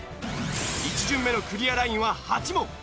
１巡目のクリアラインは８問。